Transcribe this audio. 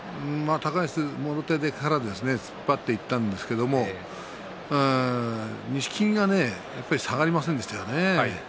高安もろ手から突っ張っていったんですけども錦木が下がりませんでしたね。